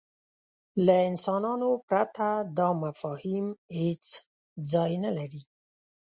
له انسانانو پرته دا مفاهیم هېڅ ځای نهلري.